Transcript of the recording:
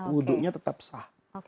wudhunya tetap sah